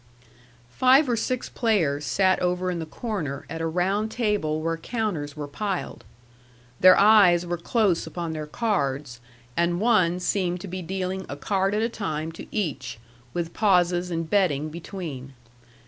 Five or six players sat over in the corner at a round table where counters were piled. Their eyes were close upon their cards, and one seemed to be dealing a card at a time to each, with pauses and betting between.